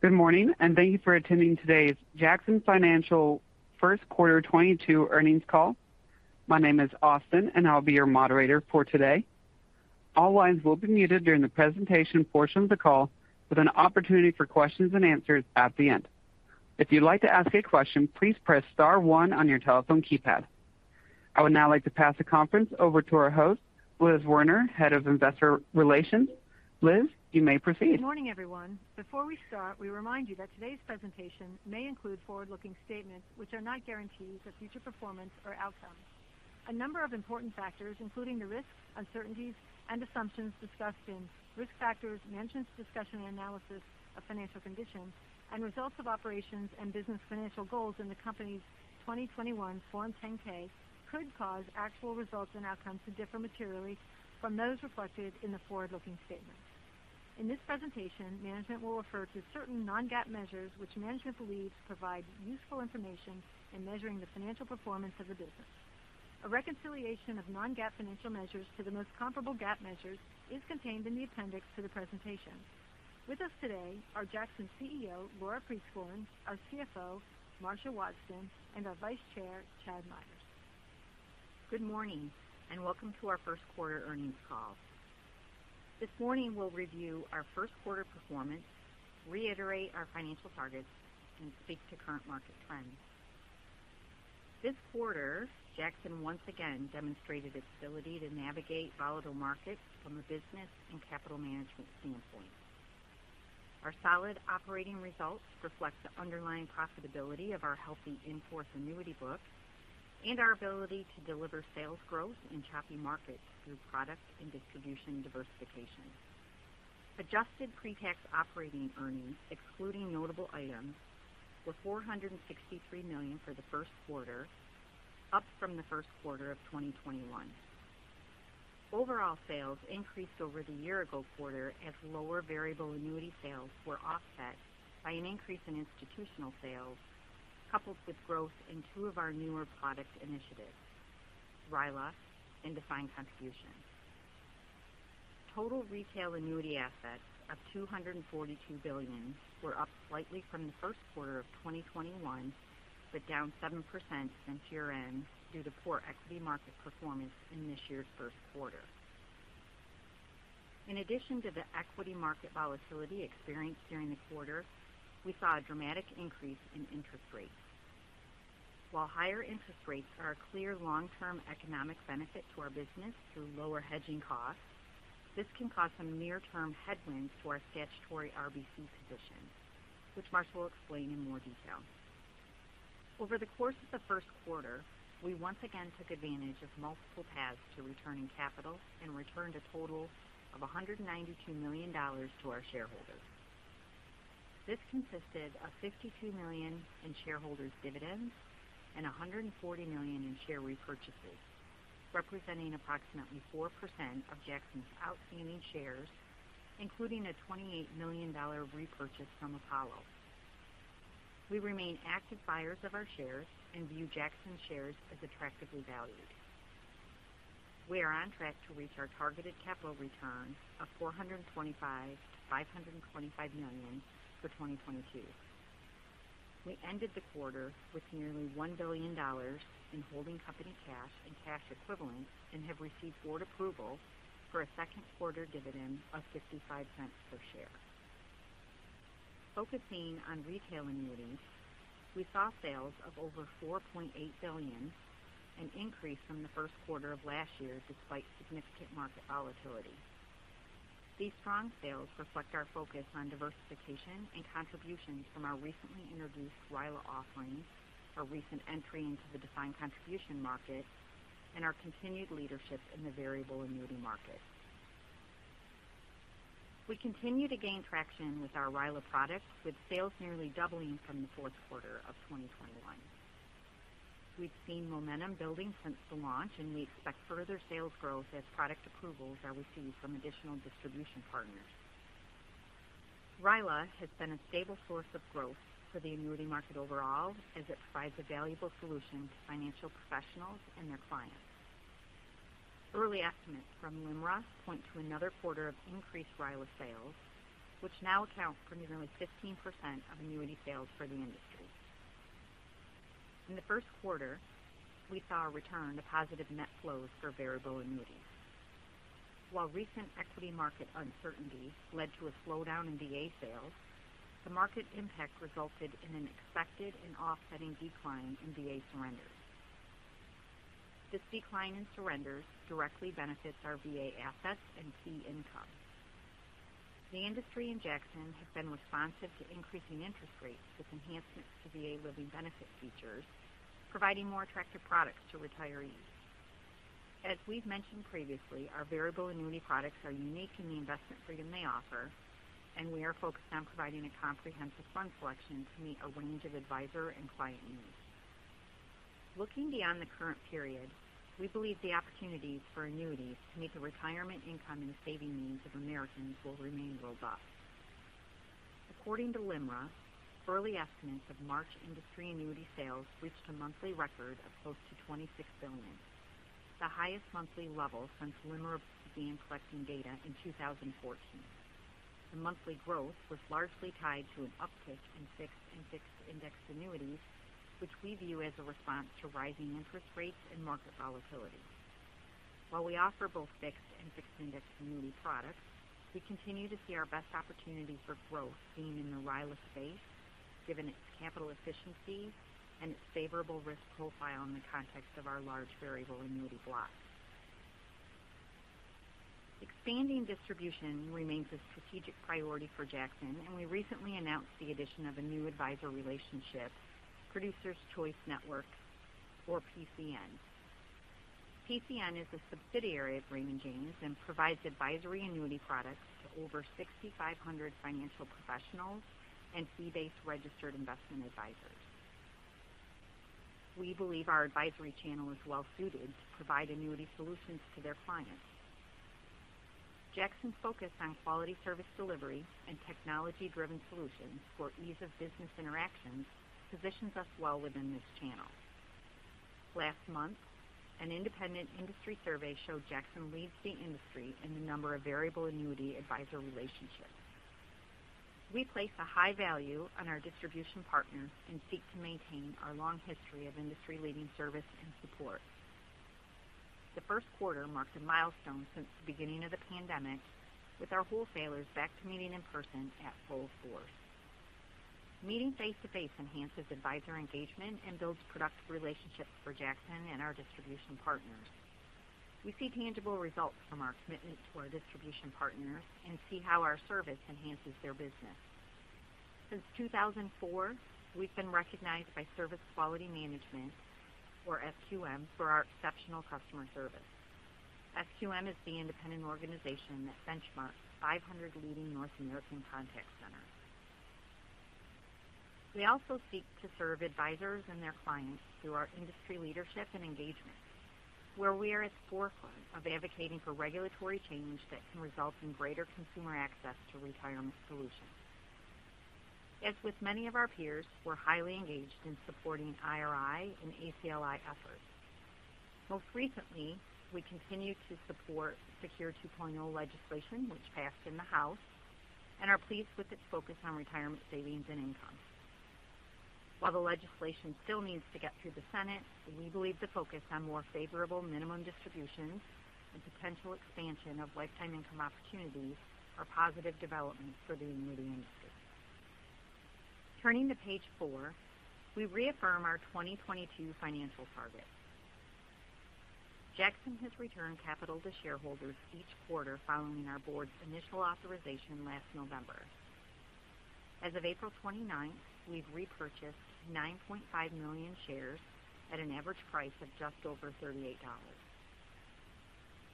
Good morning, and thank you for attending today's Jackson Financial first quarter 2022 earnings call. My name is Austin and I'll be your moderator for today. All lines will be muted during the presentation portion of the call with an opportunity for questions and answers at the end. If you'd like to ask a question, please press star one on your telephone keypad. I would now like to pass the conference over to our host, Liz Werner, Head of Investor Relations. Liz, you may proceed. Good morning, everyone. Before we start, we remind you that today's presentation may include forward-looking statements which are not guarantees of future performance or outcomes. A number of important factors, including the risks, uncertainties, and assumptions discussed in risk factors, management's discussion and analysis of financial conditions, and results of operations and business financial goals in the company's 2021 Form 10-K, could cause actual results and outcomes to differ materially from those reflected in the forward-looking statements. In this presentation, management will refer to certain non-GAAP measures which management believes provide useful information in measuring the financial performance of the business. A reconciliation of non-GAAP financial measures to the most comparable GAAP measures is contained in the appendix to the presentation. With us today are Jackson CEO, Laura Prieskorn, our CFO, Marcia Wadsten, and our Vice Chair, Chad Myers. Good morning and welcome to our first quarter earnings call. This morning we'll review our first quarter performance, reiterate our financial targets, and speak to current market trends. This quarter, Jackson once again demonstrated its ability to navigate volatile markets from a business and capital management standpoint. Our solid operating results reflect the underlying profitability of our healthy in-force annuity book and our ability to deliver sales growth in choppy markets through product and distribution diversification. Adjusted pre-tax operating earnings excluding notable items were $463 million for the first quarter, up from the first quarter of 2021. Overall sales increased over the year-ago quarter as lower variable annuity sales were offset by an increase in institutional sales, coupled with growth in two of our newer product initiatives, RILA and defined contribution. Total retail annuity assets of $242 billion were up slightly from the first quarter of 2021, but down 7% since year-end due to poor equity market performance in this year's first quarter. In addition to the equity market volatility experienced during the quarter, we saw a dramatic increase in interest rates. While higher interest rates are a clear long-term economic benefit to our business through lower hedging costs, this can cause some near-term headwinds to our statutory RBC position, which Marcia will explain in more detail. Over the course of the first quarter, we once again took advantage of multiple paths to returning capital and returned a total of $192 million to our shareholders. This consisted of $52 million in shareholders dividends and $140 million in share repurchases, representing approximately 4% of Jackson's outstanding shares, including a $28 million repurchase from Apollo. We remain active buyers of our shares and view Jackson's shares as attractively valued. We are on track to reach our targeted capital return of $425 million-$525 million for 2022. We ended the quarter with nearly $1 billion in holding company cash and cash equivalents and have received board approval for a second-quarter dividend of $0.55 per share. Focusing on retail annuities, we saw sales of over $4.8 billion, an increase from the first quarter of last year despite significant market volatility. These strong sales reflect our focus on diversification and contributions from our recently introduced RILA offerings, our recent entry into the defined contribution market, and our continued leadership in the variable annuity market. We continue to gain traction with our RILA products, with sales nearly doubling from the fourth quarter of 2021. We've seen momentum building since the launch, and we expect further sales growth as product approvals are received from additional distribution partners. RILA has been a stable source of growth for the annuity market overall as it provides a valuable solution to financial professionals and their clients. Early estimates from LIMRA point to another quarter of increased RILA sales, which now account for nearly 15% of annuity sales for the industry. In the first quarter, we saw a return to positive net flows for variable annuities. While recent equity market uncertainty led to a slowdown in VA sales, the market impact resulted in an expected and offsetting decline in VA surrenders. This decline in surrenders directly benefits our VA assets and fee income. The industry and Jackson have been responsive to increasing interest rates with enhancements to VA living benefit features, providing more attractive products to retirees. As we've mentioned previously, our variable annuity products are unique in the investment freedom they offer, and we are focused on providing a comprehensive fund selection to meet a range of advisor and client needs. Looking beyond the current period, we believe the opportunities for annuities to meet the retirement income and saving needs of Americans will remain robust. According to LIMRA. Early estimates of March industry annuity sales reached a monthly record of close to $26 billion, the highest monthly level since LIMRA began collecting data in 2014. The monthly growth was largely tied to an uptick in fixed and fixed indexed annuities, which we view as a response to rising interest rates and market volatility. While we offer both fixed and fixed indexed annuity products, we continue to see our best opportunity for growth being in the RILA space, given its capital efficiency and its favorable risk profile in the context of our large variable annuity block. Expanding distribution remains a strategic priority for Jackson, and we recently announced the addition of a new advisor relationship, Producers Choice Network or PCN. PCN is a subsidiary of Raymond James and provides advisory annuity products to over 6,500 financial professionals and fee-based registered investment advisors. We believe our advisory channel is well suited to provide annuity solutions to their clients. Jackson's focus on quality service delivery and technology-driven solutions for ease of business interactions positions us well within this channel. Last month, an independent industry survey showed Jackson leads the industry in the number of variable annuity advisor relationships. We place a high value on our distribution partners and seek to maintain our long history of industry-leading service and support. The first quarter marked a milestone since the beginning of the pandemic, with our wholesalers back to meeting in person at full force. Meeting face-to-face enhances advisor engagement and builds productive relationships for Jackson and our distribution partners. We see tangible results from our commitment to our distribution partners and see how our service enhances their business. Since 2004, we've been recognized by Service Quality Measurement Group or SQM for our exceptional customer service. SQM is the independent organization that benchmarks 500 leading North American contact centers. We also seek to serve advisors and their clients through our industry leadership and engagement, where we are at the forefront of advocating for regulatory change that can result in greater consumer access to retirement solutions. As with many of our peers, we're highly engaged in supporting IRI and ACLI efforts. Most recently, we continued to support SECURE 2.0 legislation, which passed in the House and are pleased with its focus on retirement savings and income. While the legislation still needs to get through the Senate, we believe the focus on more favorable minimum distributions and potential expansion of lifetime income opportunities are positive developments for the annuity industry. Turning to page four, we reaffirm our 2022 financial targets. Jackson has returned capital to shareholders each quarter following our board's initial authorization last November. As of April 29th, we've repurchased 9.5 million shares at an average price of just over $38.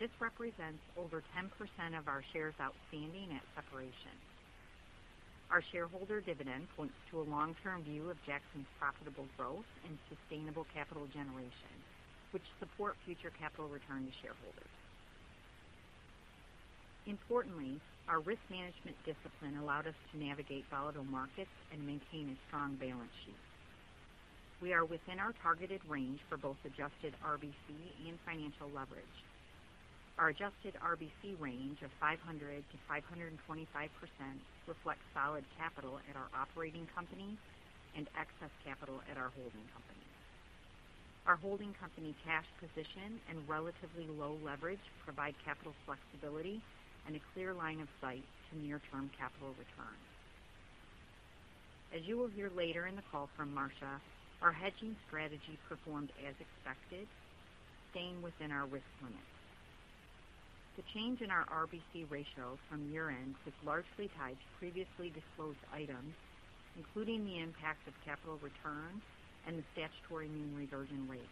This represents over 10% of our shares outstanding at separation. Our shareholder dividend points to a long-term view of Jackson's profitable growth and sustainable capital generation, which support future capital return to shareholders. Importantly, our risk management discipline allowed us to navigate volatile markets and maintain a strong balance sheet. We are within our targeted range for both adjusted RBC and financial leverage. Our adjusted RBC range of 500%-525% reflects solid capital at our operating company and excess capital at our holding company. Our holding company cash position and relatively low leverage provide capital flexibility and a clear line of sight to near-term capital returns. As you will hear later in the call from Marcia, our hedging strategy performed as expected, staying within our risk limits. The change in our RBC ratio from year-end is largely tied to previously disclosed items, including the impact of capital return and the statutory mean reversion rate.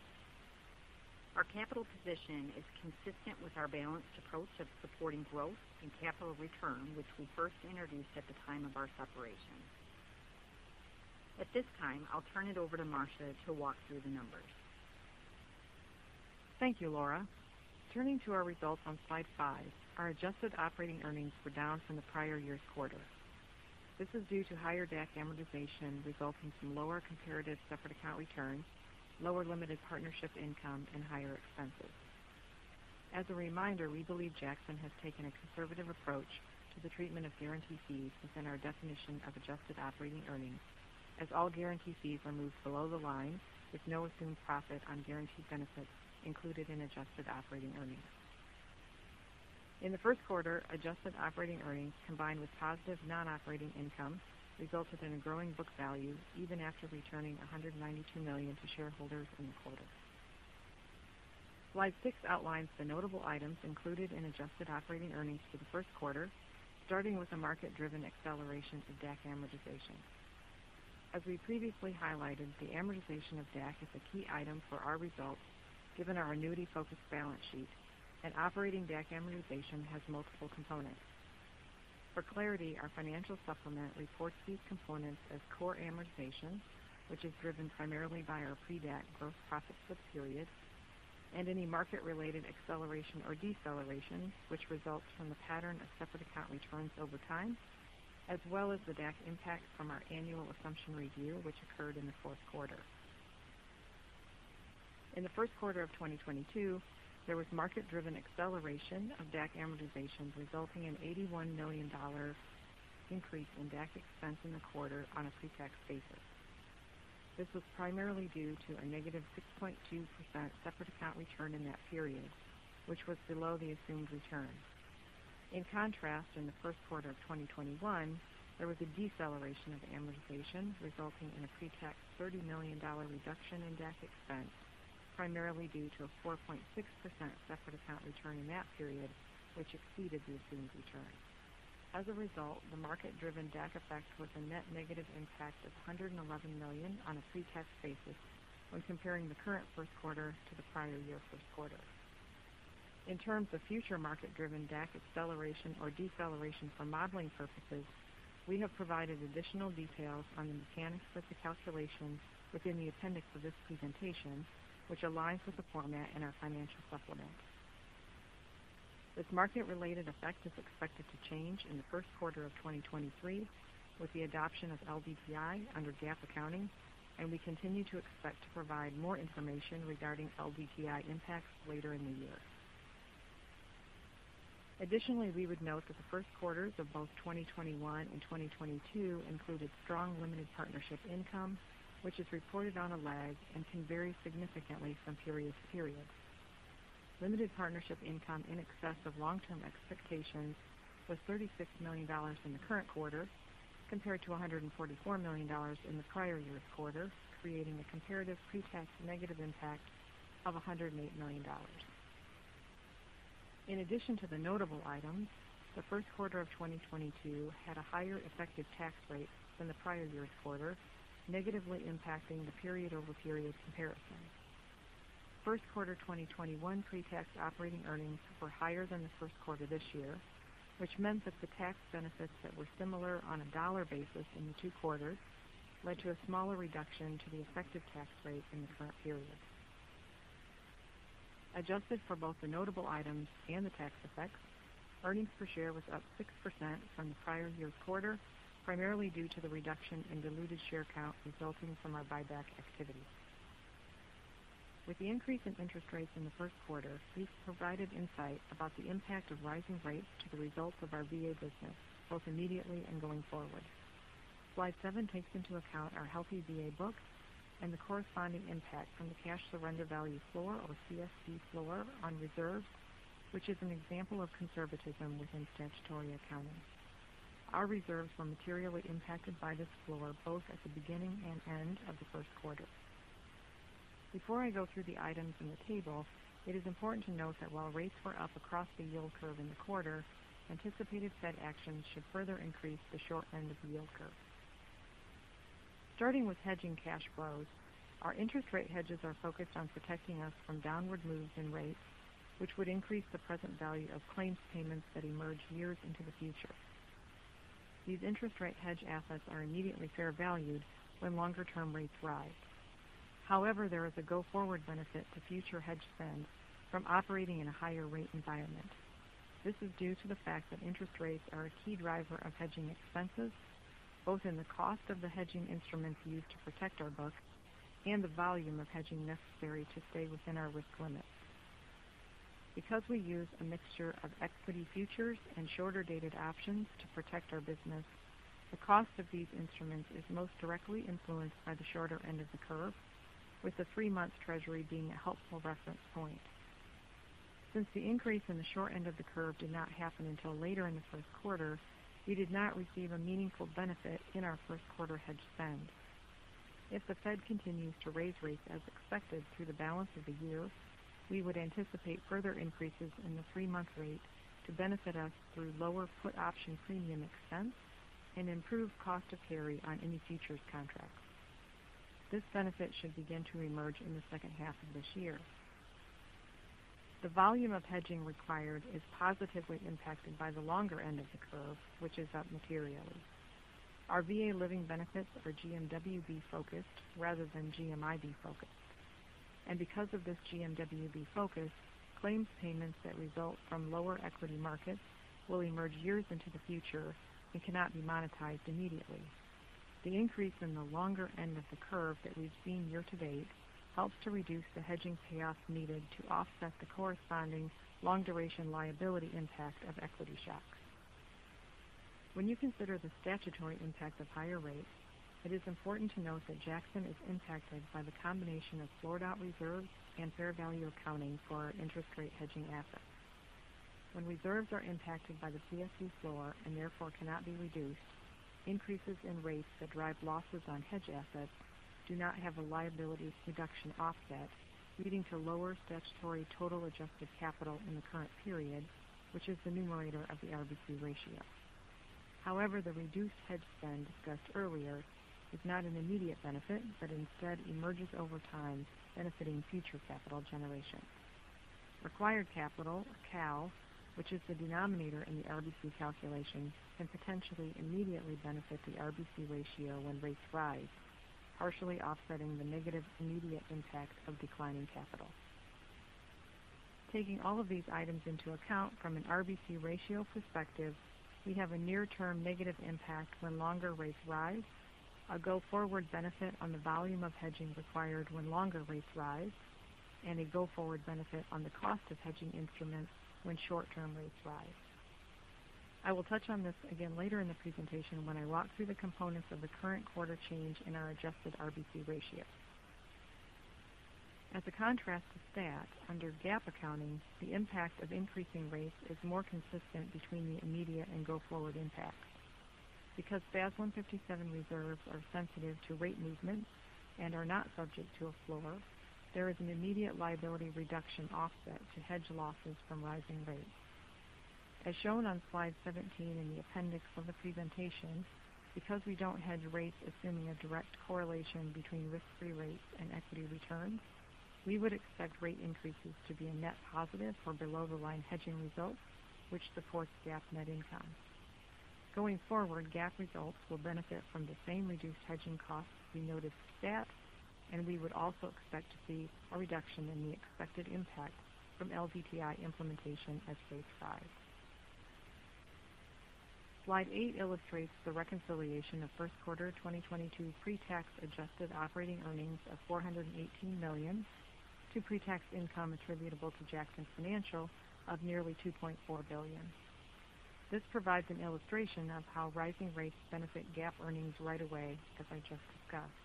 Our capital position is consistent with our balanced approach of supporting growth and capital return, which we first introduced at the time of our separation. At this time, I'll turn it over to Marcia to walk through the numbers. Thank you, Laura. Turning to our results on slide five, our adjusted operating earnings were down from the prior year's quarter. This is due to higher DAC amortization resulting from lower comparative separate account returns, lower limited partnership income, and higher expenses. As a reminder, we believe Jackson has taken a conservative approach to the treatment of guarantee fees within our definition of adjusted operating earnings, as all guarantee fees are moved below the line with no assumed profit on guaranteed benefits included in adjusted operating earnings. In the first quarter, adjusted operating earnings combined with positive non-operating income resulted in a growing book value even after returning $192 million to shareholders in the quarter. Slide six outlines the notable items included in adjusted operating earnings for the first quarter, starting with a market-driven acceleration of DAC amortization. As we previously highlighted, the amortization of DAC is a key item for our results given our annuity-focused balance sheet and operating DAC amortization has multiple components. For clarity, our financial supplement reports these components as core amortization, which is driven primarily by our pre-DAC gross profit split period. Any market-related acceleration or deceleration which results from the pattern of separate account returns over time, as well as the DAC impact from our annual assumption review, which occurred in the fourth quarter. In the first quarter of 2022, there was market-driven acceleration of DAC amortization resulting in $81 million increase in DAC expense in the quarter on a pre-tax basis. This was primarily due to a -6.2% separate account return in that period, which was below the assumed return. In contrast, in the first quarter of 2021, there was a deceleration of amortization resulting in a pre-tax $30 million reduction in DAC expense, primarily due to a 4.6% separate account return in that period, which exceeded the assumed return. As a result, the market driven DAC effect was a net negative impact of $111 million on a pre-tax basis when comparing the current first quarter to the prior year first quarter. In terms of future market driven DAC acceleration or deceleration for modeling purposes, we have provided additional details on the mechanics of the calculation within the appendix of this presentation, which aligns with the format in our financial supplement. This market related effect is expected to change in the first quarter of 2023 with the adoption of LDTI under GAAP accounting, and we continue to expect to provide more information regarding LDTI impacts later in the year. Additionally, we would note that the first quarters of both 2021 and 2022 included strong limited partnership income, which is reported on a lag and can vary significantly from period to period. Limited partnership income in excess of long term expectations was $36 million in the current quarter compared to $144 million in the prior year's quarter, creating a comparative pre-tax negative impact of $108 million. In addition to the notable items, the first quarter of 2022 had a higher effective tax rate than the prior year's quarter, negatively impacting the period-over-period comparison. First quarter 2021 pre-tax operating earnings were higher than the first quarter this year, which meant that the tax benefits that were similar on a dollar basis in the two quarters led to a smaller reduction to the effective tax rate in the current period. Adjusted for both the notable items and the tax effects, earnings per share was up 6% from the prior year's quarter, primarily due to the reduction in diluted share count resulting from our buyback activity. With the increase in interest rates in the first quarter, we've provided insight about the impact of rising rates to the results of our VA business, both immediately and going forward. Slide seven takes into account our healthy VA book and the corresponding impact from the cash surrender value floor or CSV floor on reserves, which is an example of conservatism within statutory accounting. Our reserves were materially impacted by this floor both at the beginning and end of the first quarter. Before I go through the items in the table, it is important to note that while rates were up across the yield curve in the quarter, anticipated Fed actions should further increase the short end of the yield curve. Starting with hedging cash flows, our interest rate hedges are focused on protecting us from downward moves in rates, which would increase the present value of claims payments that emerge years into the future. These interest rate hedge assets are immediately fair valued when longer term rates rise. However, there is a go forward benefit to future hedge spend from operating in a higher rate environment. This is due to the fact that interest rates are a key driver of hedging expenses, both in the cost of the hedging instruments used to protect our books and the volume of hedging necessary to stay within our risk limits. Because we use a mixture of equity futures and shorter-dated options to protect our business, the cost of these instruments is most directly influenced by the shorter end of the curve, with the three-month Treasury being a helpful reference point. Since the increase in the short end of the curve did not happen until later in the first quarter, we did not receive a meaningful benefit in our first quarter hedge spend. If the Fed continues to raise rates as expected through the balance of the year, we would anticipate further increases in the three-month rate to benefit us through lower put option premium expense and improved cost of carry on any futures contracts. This benefit should begin to emerge in the second half of this year. The volume of hedging required is positively impacted by the longer end of the curve, which is up materially. Our VA living benefits are GMWB focused rather than GMIB focused, and because of this GMWB focus, claims payments that result from lower equity markets will emerge years into the future and cannot be monetized immediately. The increase in the longer end of the curve that we've seen year to date helps to reduce the hedging payoff needed to offset the corresponding long duration liability impact of equity shocks. When you consider the statutory impact of higher rates, it is important to note that Jackson is impacted by the combination of floored reserves and fair value accounting for our interest rate hedging assets. When reserves are impacted by the CSV floor and therefore cannot be reduced, increases in rates that drive losses on hedge assets do not have a liability reduction offset, leading to lower statutory total adjusted capital in the current period, which is the numerator of the RBC ratio. However, the reduced hedge spend discussed earlier is not an immediate benefit, but instead emerges over time benefiting future capital generation. Required capital, CAL, which is the denominator in the RBC calculation, can potentially immediately benefit the RBC ratio when rates rise, partially offsetting the negative immediate impact of declining capital. Taking all of these items into account from an RBC ratio perspective, we have a near-term negative impact when longer rates rise, a go-forward benefit on the volume of hedging required when longer rates rise, and a go-forward benefit on the cost of hedging instruments when short-term rates rise. I will touch on this again later in the presentation when I walk through the components of the current quarter change in our adjusted RBC ratio. As a contrast to stat, under GAAP accounting, the impact of increasing rates is more consistent between the immediate and go-forward impacts. Because FAS 157 reserves are sensitive to rate movements and are not subject to a floor, there is an immediate liability reduction offset to hedge losses from rising rates. As shown on slide 17 in the appendix of the presentation, because we don't hedge rates assuming a direct correlation between risk-free rates and equity returns, we would expect rate increases to be a net positive for below-the-line hedging results, which supports GAAP net income. Going forward, GAAP results will benefit from the same reduced hedging costs we noted to stat, and we would also expect to see a reduction in the expected impact from LDTI implementation as rates rise. Slide eight illustrates the reconciliation of first quarter 2022 pre-tax adjusted operating earnings of $418 million to pre-tax income attributable to Jackson Financial of nearly $2.4 billion. This provides an illustration of how rising rates benefit GAAP earnings right away, as I just discussed.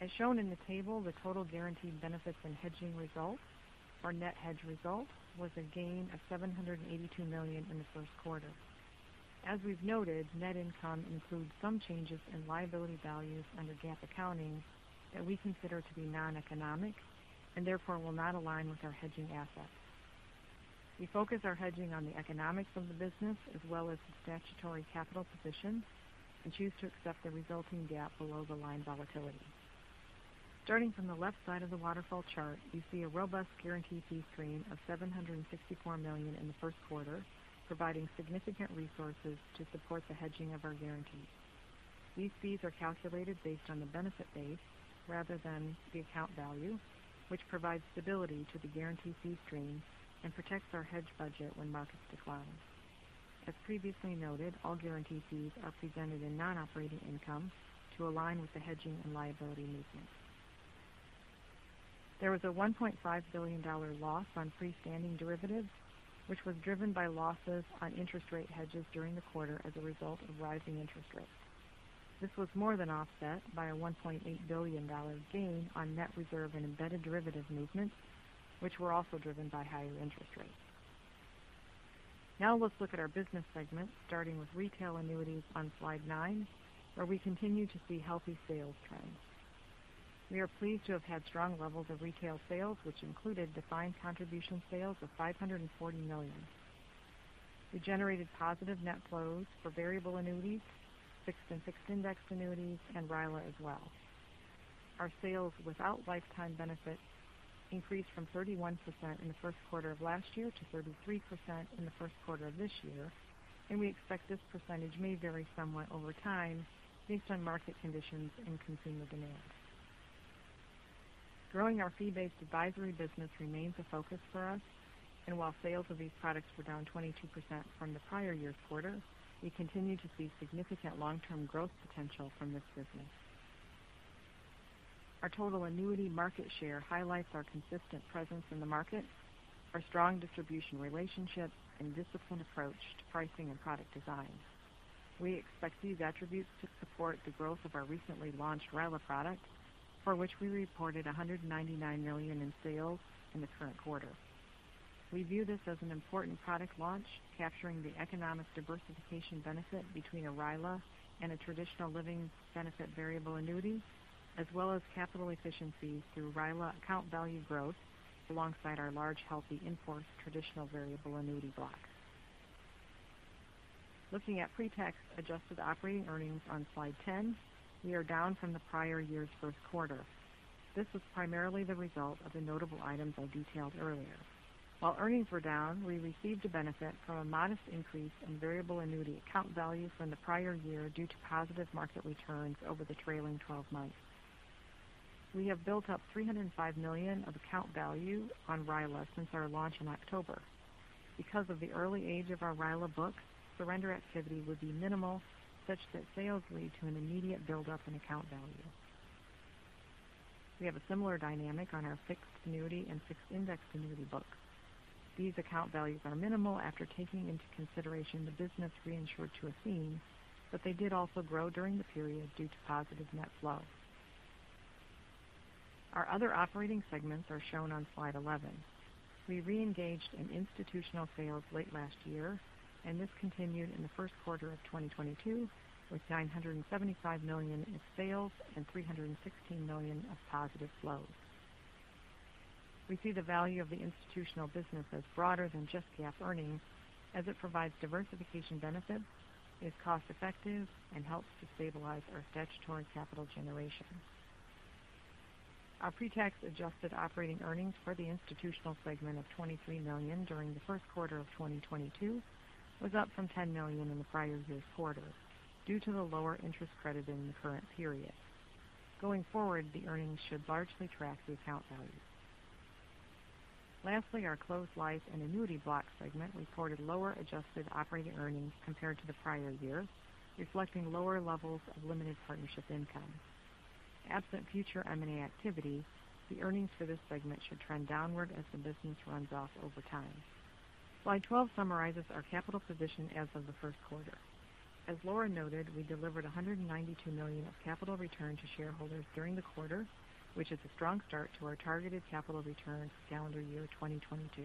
As shown in the table, the total guaranteed benefits and hedging results, our net hedge result, was a gain of $782 million in the first quarter. As we've noted, net income includes some changes in liability values under GAAP accounting that we consider to be non-economic, and therefore will not align with our hedging assets. We focus our hedging on the economics of the business as well as the statutory capital position, and choose to accept the resulting GAAP below-the-line volatility. Starting from the left side of the waterfall chart, you see a robust guarantee fee stream of $764 million in the first quarter, providing significant resources to support the hedging of our guarantees. These fees are calculated based on the benefit base rather than the account value, which provides stability to the guarantee fee stream and protects our hedge budget when markets decline. As previously noted, all guarantee fees are presented in non-operating income to align with the hedging and liability movements. There was a $1.5 billion loss on freestanding derivatives, which was driven by losses on interest rate hedges during the quarter as a result of rising interest rates. This was more than offset by a $1.8 billion gain on net reserve and embedded derivative movements, which were also driven by higher interest rates. Now let's look at our business segments, starting with retail annuities on slide nine, where we continue to see healthy sales trends. We are pleased to have had strong levels of retail sales, which included defined contribution sales of $540 million. We generated positive net flows for variable annuities, fixed and fixed-indexed annuities, and RILA as well. Our sales without lifetime benefits increased from 31% in the first quarter of last year to 33% in the first quarter of this year, and we expect this percentage may vary somewhat over time based on market conditions and consumer demand. Growing our fee-based advisory business remains a focus for us, and while sales of these products were down 22% from the prior year's quarter, we continue to see significant long-term growth potential from this business. Our total annuity market share highlights our consistent presence in the market, our strong distribution relationships, and disciplined approach to pricing and product design. We expect these attributes to support the growth of our recently launched RILA product, for which we reported $199 million in sales in the current quarter. We view this as an important product launch, capturing the economic diversification benefit between a RILA and a traditional living benefit variable annuity, as well as capital efficiency through RILA account value growth alongside our large, healthy in-force traditional variable annuity block. Looking at pre-tax adjusted operating earnings on slide 10, we are down from the prior year's first quarter. This was primarily the result of the notable items I detailed earlier. While earnings were down, we received a benefit from a modest increase in variable annuity account values from the prior year due to positive market returns over the trailing twelve months. We have built up $305 million of account value on RILA since our launch in October. Because of the early age of our RILA book, surrender activity would be minimal such that sales lead to an immediate buildup in account value. We have a similar dynamic on our fixed annuity and fixed indexed annuity books. These account values are minimal after taking into consideration the business reinsured to Athene, but they did also grow during the period due to positive net flow. Our other operating segments are shown on slide 11. We re-engaged in institutional sales late last year, and this continued in the first quarter of 2022 with $975 million in sales and $316 million of positive flows. We see the value of the institutional business as broader than just GAAP earnings as it provides diversification benefits, is cost-effective, and helps to stabilize our statutory capital generation. Our pretax adjusted operating earnings for the institutional segment of $23 million during the first quarter of 2022 was up from $10 million in the prior year's quarter due to the lower interest credited in the current period. Going forward, the earnings should largely track the account value. Lastly, our closed life and annuity block segment reported lower adjusted operating earnings compared to the prior year, reflecting lower levels of limited partnership income. Absent future M&A activity, the earnings for this segment should trend downward as the business runs off over time. Slide 12 summarizes our capital position as of the first quarter. As Laura noted, we delivered $192 million of capital return to shareholders during the quarter, which is a strong start to our targeted capital return calendar year 2022.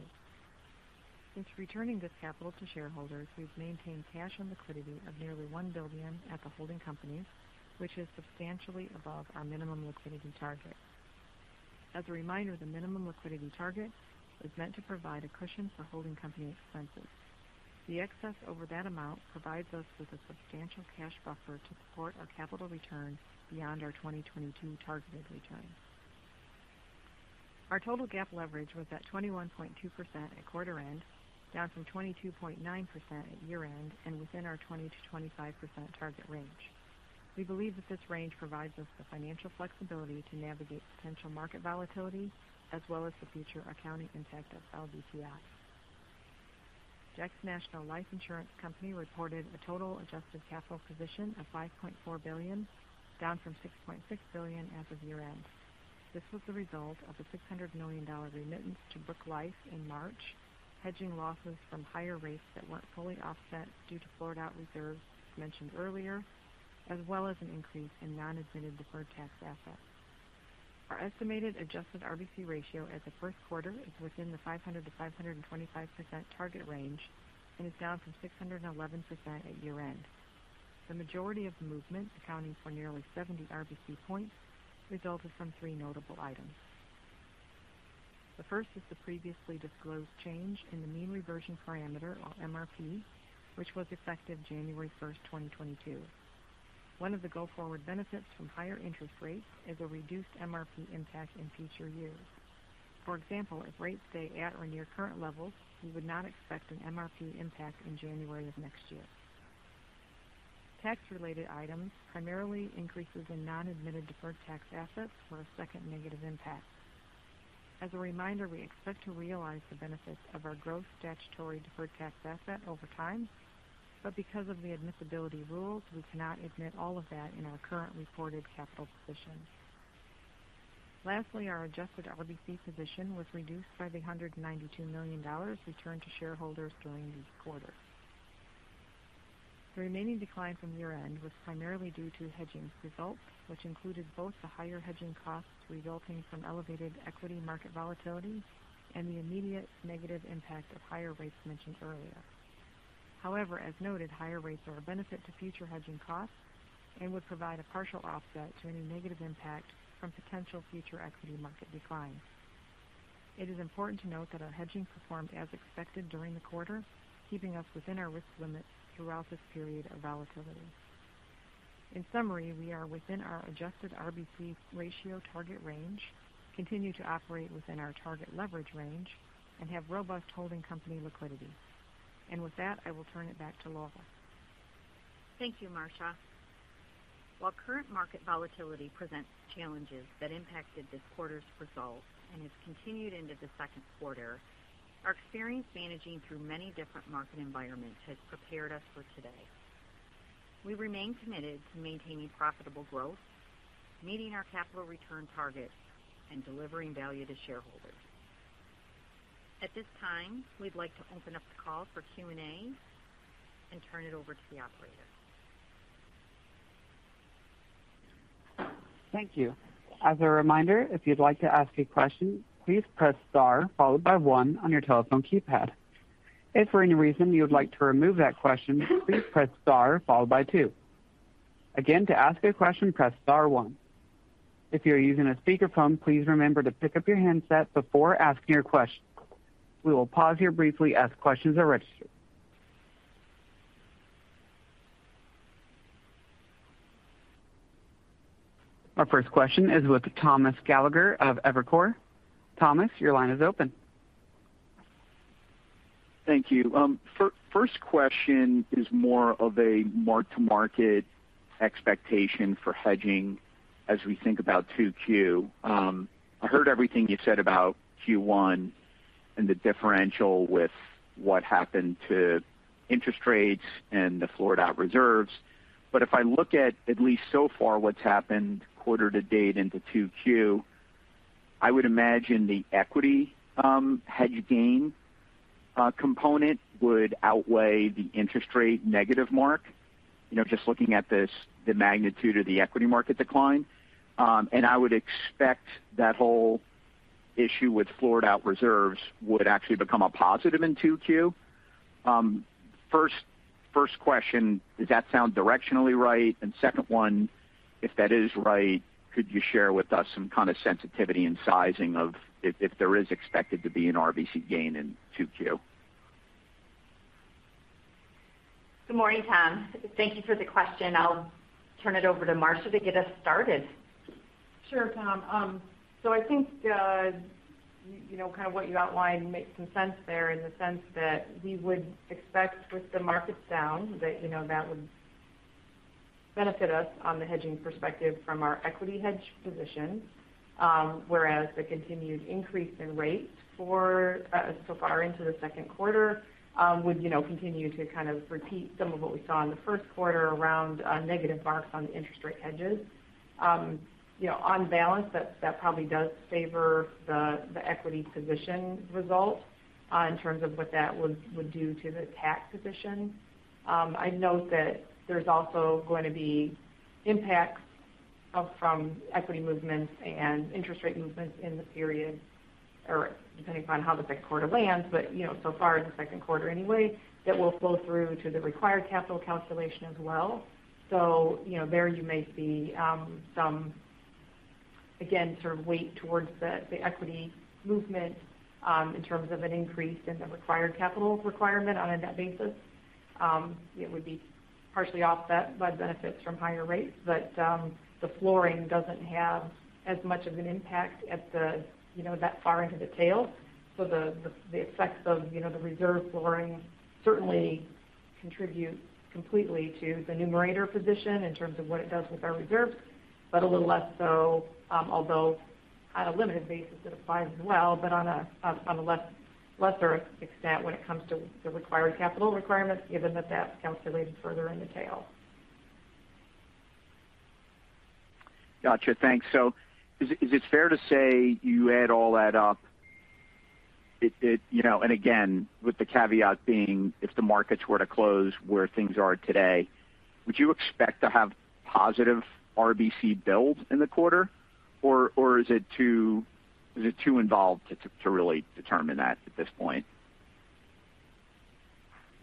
Since returning this capital to shareholders, we've maintained cash and liquidity of nearly $1 billion at the holding company, which is substantially above our minimum liquidity target. As a reminder, the minimum liquidity target is meant to provide a cushion for holding company expenses. The excess over that amount provides us with a substantial cash buffer to support our capital return beyond our 2022 targeted return. Our total GAAP leverage was at 21.2% at quarter end, down from 22.9% at year-end and within our 20%-25% target range. We believe that this range provides us the financial flexibility to navigate potential market volatility as well as the future accounting impact of LDTI. Jackson National Life Insurance Company reported a total adjusted capital position of $5.4 billion, down from $6.6 billion as of year-end. This was the result of the $600 million remittance to Brooke Life in March, hedging losses from higher rates that weren't fully offset due to floored out reserves mentioned earlier, as well as an increase in non-admitted deferred tax assets. Our estimated adjusted RBC ratio at the first quarter is within the 500%-525% target range and is down from 611% at year-end. The majority of the movement accounting for nearly 70 RBC points resulted from three notable items. The first is the previously disclosed change in the mean reversion parameter or MRP, which was effective January 1, 2022. One of the go forward benefits from higher interest rates is a reduced MRP impact in future years. For example, if rates stay at or near current levels, we would not expect an MRP impact in January of next year. Tax related items, primarily increases in non-admitted deferred tax assets, were a second negative impact. As a reminder, we expect to realize the benefits of our gross statutory deferred tax asset over time, but because of the admissibility rules, we cannot admit all of that in our current reported capital position. Lastly, our adjusted RBC position was reduced by $192 million returned to shareholders during the quarter. The remaining decline from year-end was primarily due to hedging results, which included both the higher hedging costs resulting from elevated equity market volatility and the immediate negative impact of higher rates mentioned earlier. However, as noted, higher rates are a benefit to future hedging costs and would provide a partial offset to any negative impact from potential future equity market declines. It is important to note that our hedging performed as expected during the quarter, keeping us within our risk limits throughout this period of volatility. In summary, we are within our adjusted RBC ratio target range, continue to operate within our target leverage range, and have robust holding company liquidity. With that, I will turn it back to Laura. Thank you, Marcia. While current market volatility presents challenges that impacted this quarter's results and has continued into the second quarter, our experience managing through many different market environments has prepared us for today. We remain committed to maintaining profitable growth, meeting our capital return targets, and delivering value to shareholders. At this time, we'd like to open up the call for Q&A and turn it over to the operator. Thank you. As a reminder, if you'd like to ask a question, please press star followed by one on your telephone keypad. If for any reason you would like to remove that question, please press star followed by two. Again, to ask a question, press star one. If you're using a speakerphone, please remember to pick up your handset before asking your question. We will pause here briefly as questions are registered. Our first question is with Thomas Gallagher of Evercore ISI. Thomas, your line is open. Thank you. First question is more of a mark-to-market expectation for hedging as we think about 2Q. I heard everything you said about Q1 and the differential with what happened to interest rates and the floored out reserves. But if I look at least so far what's happened quarter-to-date into 2Q, I would imagine the equity hedge gain component would outweigh the interest rate negative mark, you know, just looking at this, the magnitude of the equity market decline. And I would expect that whole issue with floored out reserves would actually become a positive in 2Q. First question, does that sound directionally right? Second one, if that is right, could you share with us some kind of sensitivity and sizing of if there is expected to be an RBC gain in 2Q? Good morning, Tom. Thank you for the question. I'll turn it over to Marcia to get us started. Sure, Tom. I think you know, kind of what you outlined makes some sense there in the sense that we would expect with the markets down that you know, that would benefit us on the hedging perspective from our equity hedge position. Whereas the continued increase in rates for so far into the second quarter would you know, continue to kind of repeat some of what we saw in the first quarter around negative marks on the interest rate hedges. You know, on balance, that probably does favor the equity position result in terms of what that would do to the tax position. I'd note that there's also going to be impacts from equity movements and interest rate movements in the period, or depending upon how the second quarter lands. You know, so far in the second quarter anyway, that will flow through to the required capital calculation as well. You know, there you may see some, again, sort of weight towards the equity movement in terms of an increase in the required capital requirement on a net basis. It would be partially offset by benefits from higher rates, but the flooring doesn't have as much of an impact at the, you know, that far into the tail. The effects of, you know, the reserve flooring certainly contribute completely to the numerator position in terms of what it does with our reserves, but a little less so, although on a limited basis it applies as well, but on a lesser extent when it comes to the required capital requirements, given that that's calculated further in the tail. Gotcha. Thanks. Is it fair to say you add all that up, it, you know, and again, with the caveat being if the markets were to close where things are today, would you expect to have positive RBC builds in the quarter? Or is it too involved to really determine that at this point?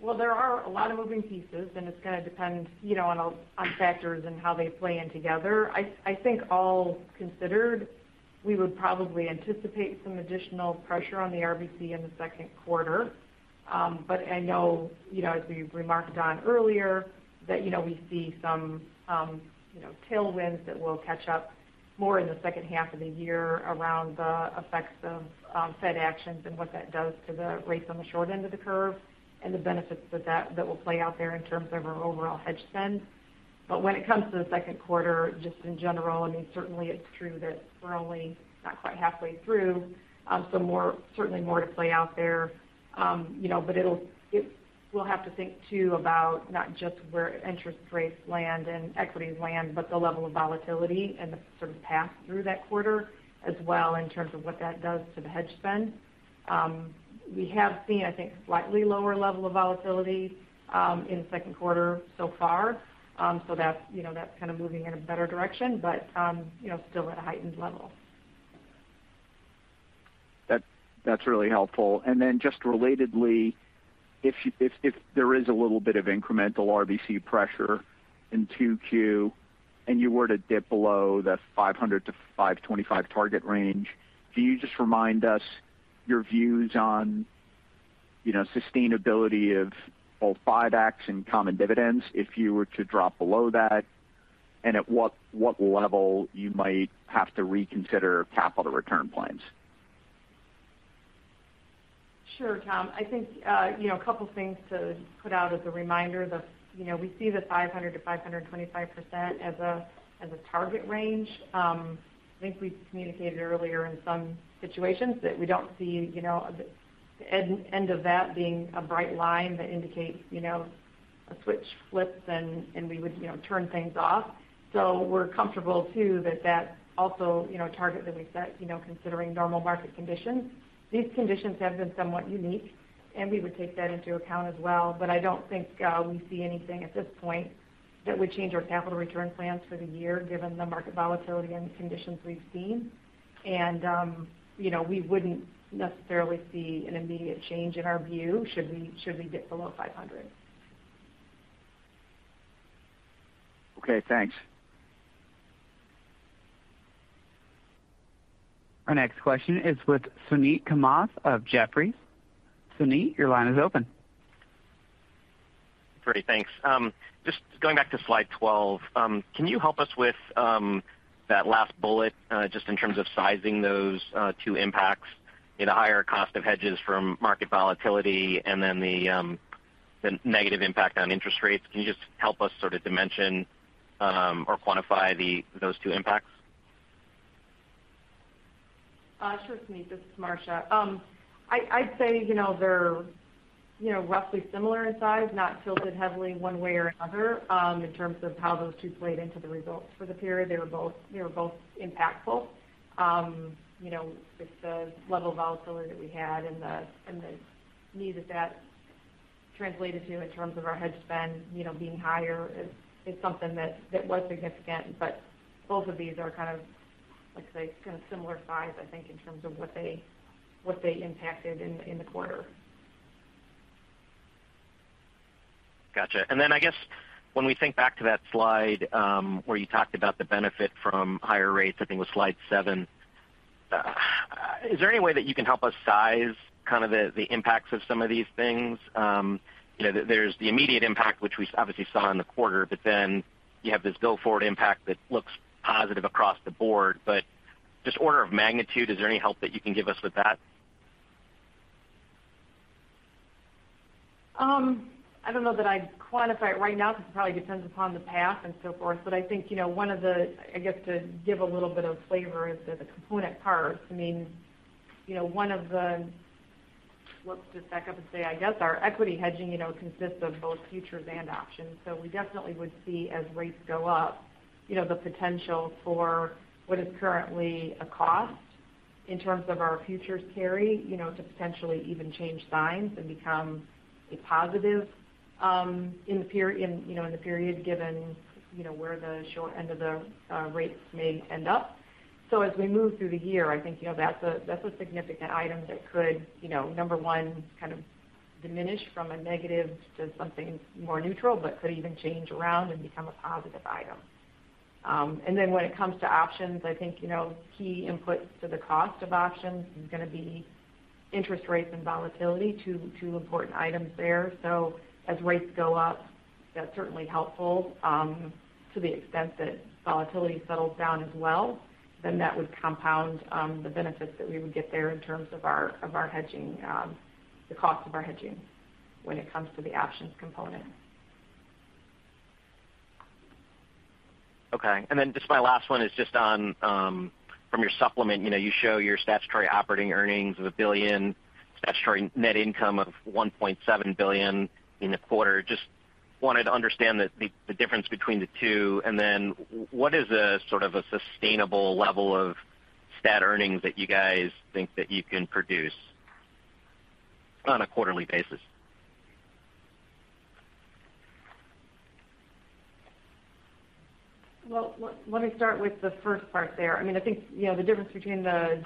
Well, there are a lot of moving pieces, and it's gonna depend, you know, on factors and how they play in together. I think all considered, we would probably anticipate some additional pressure on the RBC in the second quarter. But I know, you know, as we've remarked on earlier that, you know, we see some, you know, tailwinds that will catch up more in the second half of the year around the effects of Fed actions and what that does to the rates on the short end of the curve and the benefits that that will play out there in terms of our overall hedge spend. When it comes to the second quarter, just in general, I mean, certainly it's true that we're only not quite halfway through, so certainly more to play out there. You know, we'll have to think too about not just where interest rates land and equities land, but the level of volatility and the sort of path through that quarter as well in terms of what that does to the hedge spend. We have seen, I think, slightly lower level of volatility in the second quarter so far. So that's, you know, that's kind of moving in a better direction, but you know, still at a heightened level. That, that's really helpful. Then just relatedly, if there is a little bit of incremental RBC pressure in 2Q and you were to dip below the 500%-525% target range, can you just remind us your views on, you know, sustainability of both buybacks and common dividends if you were to drop below that? At what level you might have to reconsider capital return plans? Sure, Tom. I think you know, a couple things to put out as a reminder that you know, we see the 500%-525% as a target range. I think we've communicated earlier in some situations that we don't see you know, the end of that being a bright line that indicates you know, a switch flips and we would you know, turn things off. We're comfortable too that that's also you know, a target that we set you know, considering normal market conditions. These conditions have been somewhat unique, and we would take that into account as well. I don't think we see anything at this point that would change our capital return plans for the year given the market volatility and the conditions we've seen. You know, we wouldn't necessarily see an immediate change in our view should we dip below 500%. Okay, thanks. Our next question is with Suneet Kamath of Jefferies. Suneet, your line is open. Great, thanks. Just going back to slide 12, can you help us with that last bullet, just in terms of sizing those two impacts in a higher cost of hedges from market volatility and then the negative impact on interest rates? Can you just help us sort of dimension or quantify those two impacts? Sure, Suneet. This is Marcia. I'd say, you know, they're, you know, roughly similar in size, not tilted heavily one way or another, in terms of how those two played into the results for the period. They were both impactful. You know, with the level of volatility that we had and the need that translated to in terms of our hedge spend, you know, being higher is something that was significant. Both of these are kind of like I say, kind of similar size, I think, in terms of what they impacted in the quarter. Gotcha. I guess when we think back to that slide, where you talked about the benefit from higher rates, I think it was slide 7. Is there any way that you can help us size kind of the impacts of some of these things? You know, there's the immediate impact which we obviously saw in the quarter, but then you have this go forward impact that looks positive across the board. Just order of magnitude, is there any help that you can give us with that? I don't know that I'd quantify it right now because it probably depends upon the path and so forth. I think, you know, one of the, I guess, to give a little bit of flavor is the component parts. I mean, you know, one of the. Let's just back up and say, I guess our equity hedging, you know, consists of both futures and options. We definitely would see as rates go up, you know, the potential for what is currently a cost in terms of our futures carry, you know, to potentially even change signs and become a positive, in the period given, you know, where the short end of the rates may end up. As we move through the year, I think, you know, that's a significant item that could, you know, number one, kind of diminish from a negative to something more neutral, but could even change around and become a positive item. When it comes to options, I think, you know, key inputs to the cost of options is going to be interest rates and volatility, two important items there. As rates go up, that's certainly helpful, to the extent that volatility settles down as well, then that would compound the benefits that we would get there in terms of our hedging, the cost of our hedging when it comes to the options component. Okay. Just my last one is just on from your supplement. You know, you show your statutory operating earnings of $1 billion, statutory net income of $1.7 billion in the quarter. Just wanted to understand the difference between the two, and then what is a sort of a sustainable level of stat earnings that you guys think that you can produce on a quarterly basis? Well, let me start with the first part there. I mean, I think, you know, the difference between the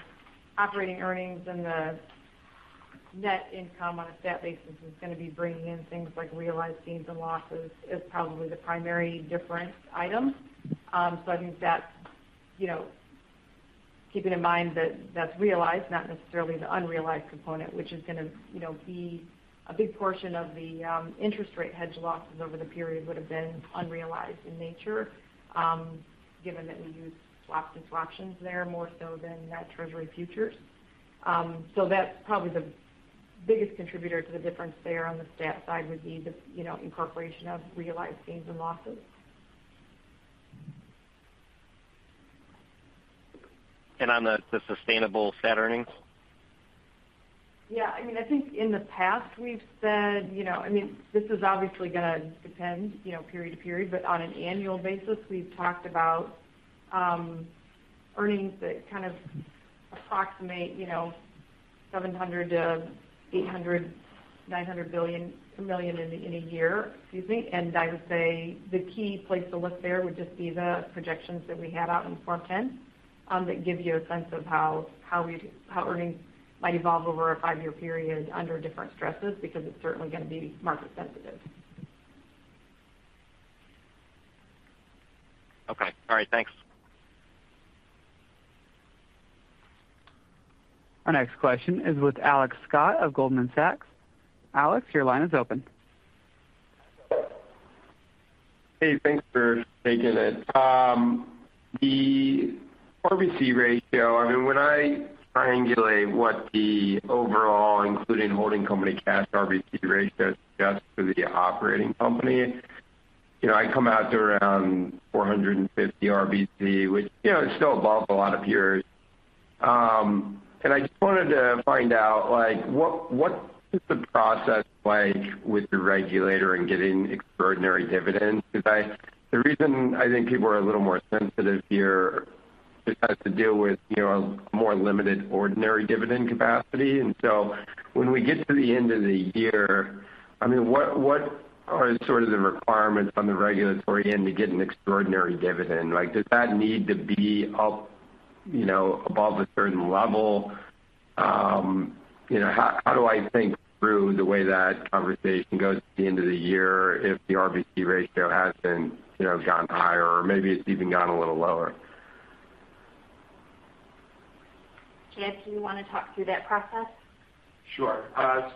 operating earnings and the net income on a stat basis is going to be bringing in things like realized gains and losses is probably the primary difference item. I think that, you know, keeping in mind that that's realized, not necessarily the unrealized component, which is going to, you know, be a big portion of the interest rate hedge losses over the period would have been unrealized in nature, given that we use swaps and swaptions there more so than Treasury futures. That's probably the biggest contributor to the difference there on the stat side would be the, you know, incorporation of realized gains and losses. On the sustainable stat earnings? Yeah, I mean, I think in the past we've said, you know, I mean, this is obviously going to depend, you know, period to period. On an annual basis, we've talked about earnings that kind of approximate, you know, $700 million-$900 million in a year. Excuse me. I would say the key place to look there would just be the projections that we had out in Form 10 that give you a sense of how we earnings might evolve over a five-year period under different stresses, because it's certainly going to be market sensitive. Okay. All right. Thanks. Our next question is with Alex Scott of Goldman Sachs. Alex, your line is open. Hey, thanks for taking it. The RBC ratio, I mean, when I triangulate what the overall including holding company cash RBC ratio is just for the operating company, you know, I come out to around 450 RBC, which, you know, is still above a lot of peers. I just wanted to find out, like what is the process like with the regulator in getting extraordinary dividends? Because the reason I think people are a little more sensitive here just has to deal with, you know, a more limited ordinary dividend capacity. When we get to the end of the year, I mean, what are sort of the requirements on the regulatory end to get an extraordinary dividend? Like, does that need to be up, you know, above a certain level? You know, how do I think through the way that conversation goes at the end of the year, if the RBC ratio hasn't, you know, gone higher or maybe it's even gone a little lower? Chad, do you want to talk through that process? Sure.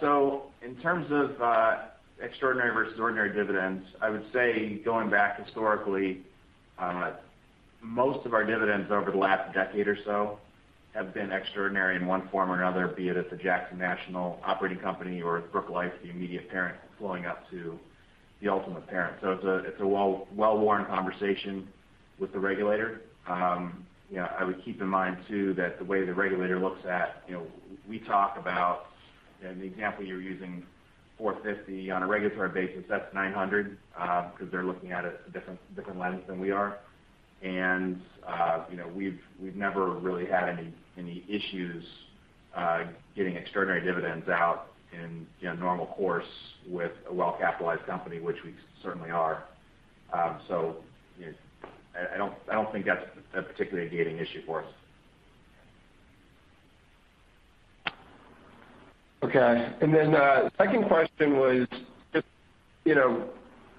So in terms of extraordinary versus ordinary dividends, I would say going back historically, most of our dividends over the last decade or so have been extraordinary in one form or another, be it at the Jackson National operating company or at Brooke Life, the immediate parent flowing up to the ultimate parent. It's a well-worn conversation with the regulator. You know, I would keep in mind, too, that the way the regulator looks at, you know, we talk about in the example you're using $450 on a regulatory basis, that's $900, because they're looking at a different lens than we are. You know, we've never really had any issues getting extraordinary dividends out in normal course with a well-capitalized company, which we certainly are. I don't think that's a particularly gating issue for us. Okay. Then the second question was just, you know,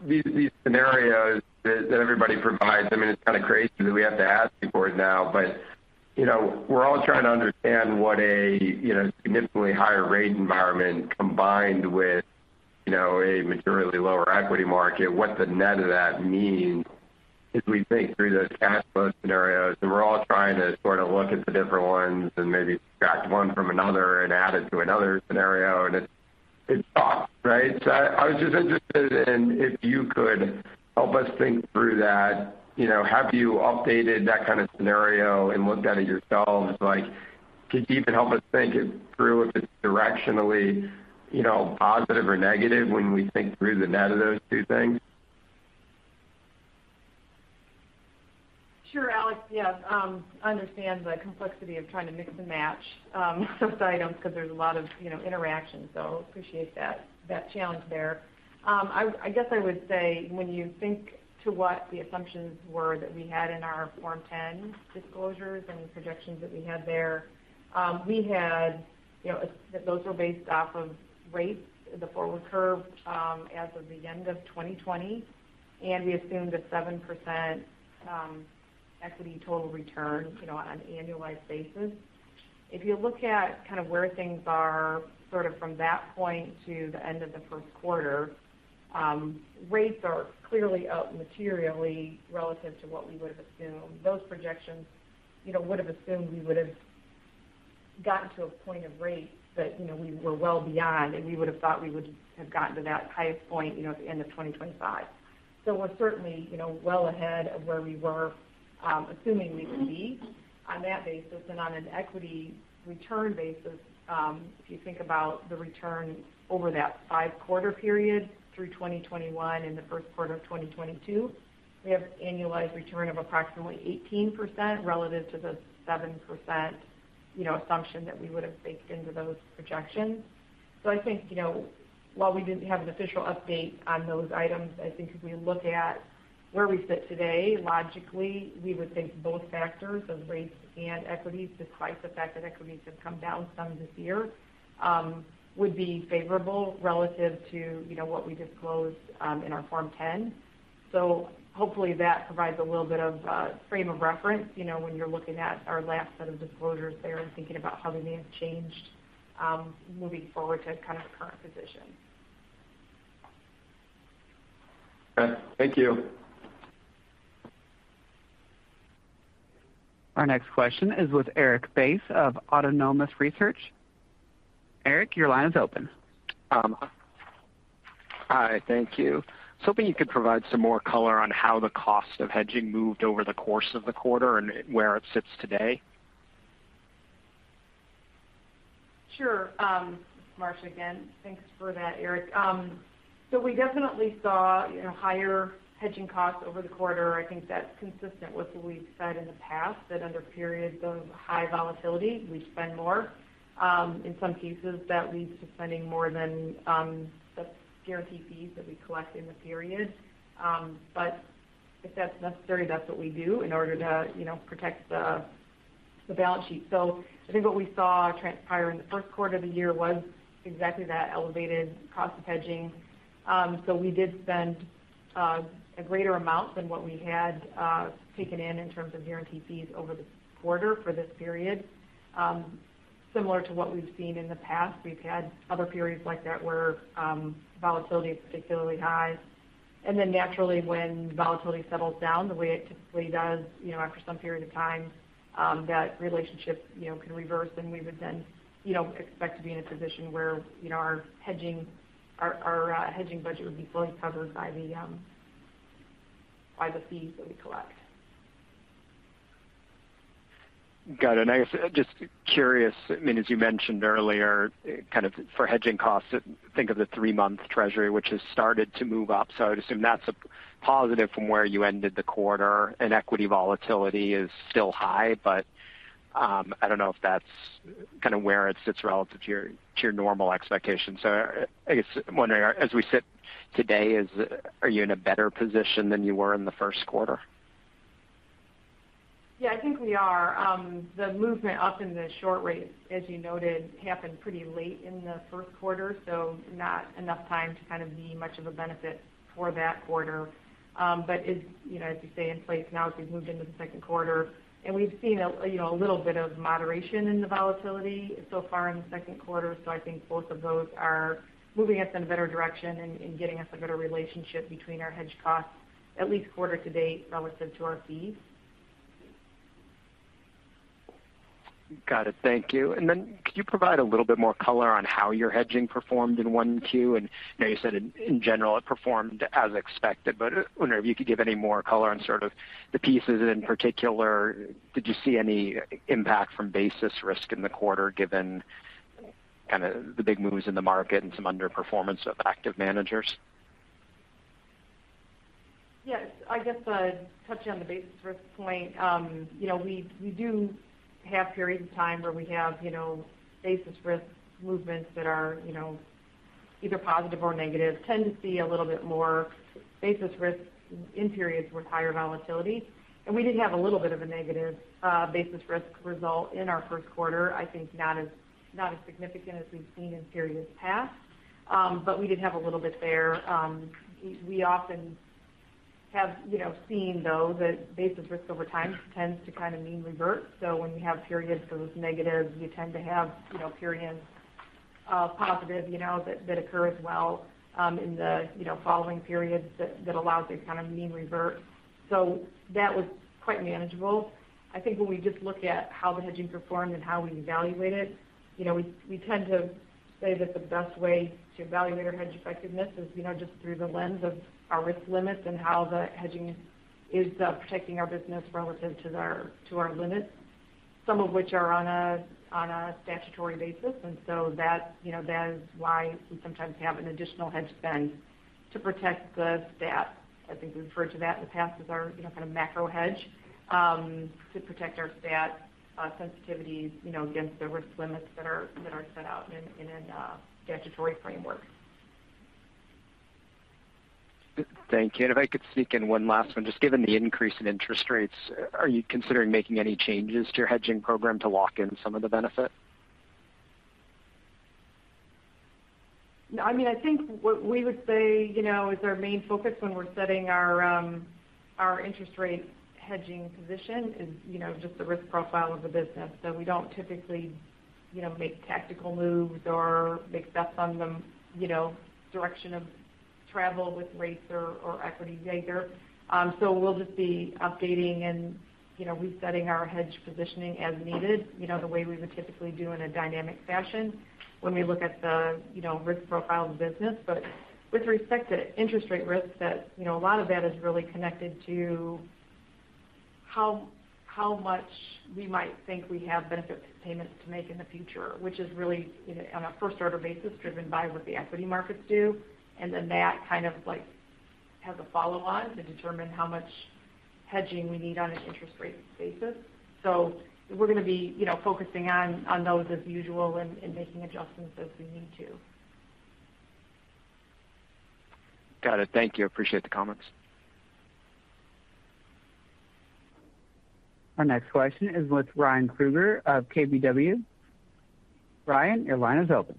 these scenarios that everybody provides, I mean, it's kind of crazy that we have to ask you for it now, but, you know, we're all trying to understand what a, you know, significantly higher rate environment combined with, you know, a materially lower equity market, what the net of that means as we think through those cash flow scenarios. We're all trying to sort of look at the different ones and maybe subtract one from another and add it to another scenario. It's tough, right? I was just interested in if you could help us think through that. You know, have you updated that kind of scenario and looked at it yourselves? Like, could you even help us think it through if it's directionally, you know, positive or negative when we think through the net of those two things? Sure, Alex. Yes. I understand the complexity of trying to mix and match those items because there's a lot of, you know, interaction. Appreciate that challenge there. I guess I would say when you think to what the assumptions were that we had in our Form 10 disclosures and the projections that we had there, we had, you know, those were based off of rates, the forward curve, as of the end of 2020, and we assumed a 7% equity total return, you know, on an annualized basis. If you look at kind of where things are sort of from that point to the end of the first quarter, rates are clearly up materially relative to what we would have assumed. Those projections, you know, would have assumed we would've gotten to a point of rates that, you know, we were well beyond, and we would have thought we would have gotten to that highest point, you know, at the end of 2025. We're certainly, you know, well ahead of where we were, assuming we would be on that basis. On an equity return basis, if you think about the return over that five-quarter period through 2021 and the first quarter of 2022, we have annualized return of approximately 18% relative to the 7%, you know, assumption that we would have baked into those projections. I think, you know, while we didn't have an official update on those items, I think if we look at where we sit today, logically, we would think both factors of rates and equities, despite the fact that equities have come down some this year, would be favorable relative to, you know, what we disclosed in our Form 10. So hopefully that provides a little bit of frame of reference, you know, when you're looking at our last set of disclosures there and thinking about how they may have changed, moving forward to kind of the current position. Okay. Thank you. Our next question is with Erik Bass of Autonomous Research. Eric, your line is open. Hi. Thank you. Just hoping you could provide some more color on how the cost of hedging moved over the course of the quarter and where it sits today. Sure. Marcia again. Thanks for that, Erik. We definitely saw, you know, higher hedging costs over the quarter. I think that's consistent with what we've said in the past, that under periods of high volatility, we spend more. In some cases, that leads to spending more than the guarantee fees that we collect in the period. But if that's necessary, that's what we do in order to, you know, protect the balance sheet. I think what we saw transpire in the first quarter of the year was exactly that elevated cost of hedging. We did spend a greater amount than what we had taken in terms of guarantee fees over the quarter for this period. Similar to what we've seen in the past, we've had other periods like that where volatility is particularly high. Naturally, when volatility settles down the way it typically does, you know, after some period of time, that relationship, you know, can reverse, and we would then, you know, expect to be in a position where, you know, our hedging budget would be fully covered by the fees that we collect. Got it. I guess just curious, I mean, as you mentioned earlier, kind of for hedging costs, think of the three-month Treasury, which has started to move up. I would assume that's a positive from where you ended the quarter. Equity volatility is still high, but I don't know if that's kind of where it sits relative to your normal expectations. I guess I'm wondering, as we sit today, are you in a better position than you were in the first quarter? Yeah, I think we are. The movement up in the short rates, as you noted, happened pretty late in the first quarter, so not enough time to kind of be much of a benefit for that quarter. It's, you know, as you say, in place now as we've moved into the second quarter. We've seen a, you know, a little bit of moderation in the volatility so far in the second quarter. I think both of those are moving us in a better direction and getting us a better relationship between our hedge costs, at least quarter-to-date, relative to our fees. Got it. Thank you. Could you provide a little bit more color on how your hedging performed in 1Q? I know you said in general it performed as expected, but I wonder if you could give any more color on sort of the pieces in particular. Did you see any impact from basis risk in the quarter given kind of the big moves in the market and some underperformance of active managers? Yes. I guess to touch on the basis risk point, you know, we do have periods of time where we have basis risk movements that are either positive or negative. Tend to see a little bit more basis risk in periods with higher volatility. We did have a little bit of a negative basis risk result in our first quarter. I think not as significant as we've seen in periods past. We did have a little bit there. We often have seen though that basis risk over time tends to kind of mean revert. When you have periods that was negative, you tend to have periods of positive that occur as well in the following periods that allows it to kind of mean revert. That was quite manageable. I think when we just look at how the hedging performed and how we evaluate it, you know, we tend to say that the best way to evaluate our hedge effectiveness is, you know, just through the lens of our risk limits and how the hedging is protecting our business relative to our limits. Some of which are on a statutory basis. That, you know, that is why we sometimes have an additional hedge spend to protect the stat. I think we've referred to that in the past as our, you know, kind of macro hedge to protect our stat sensitivities, you know, against the risk limits that are set out in a statutory framework. Thank you. If I could sneak in one last one. Just given the increase in interest rates, are you considering making any changes to your hedging program to lock in some of the benefit? No, I mean, I think what we would say, you know, is our main focus when we're setting our interest rate hedging position is, you know, just the risk profile of the business. We don't typically, you know, make tactical moves or make bets on the, you know, direction of travel with rates or equity either. We'll just be updating and, you know, resetting our hedge positioning as needed, you know, the way we would typically do in a dynamic fashion when we look at the, you know, risk profile of the business. With respect to interest rate risk that, you know, a lot of that is really connected to how much we might think we have benefit payments to make in the future, which is really on a first order basis driven by what the equity markets do. Then that kind of like has a follow-on to determine how much hedging we need on an interest rate basis. We're gonna be, you know, focusing on those as usual and making adjustments as we need to. Got it. Thank you. Appreciate the comments. Our next question is with Ryan Krueger of KBW. Ryan, your line is open.